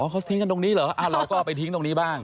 เขาทิ้งกันตรงนี้เหรอเราก็เอาไปทิ้งตรงนี้บ้าง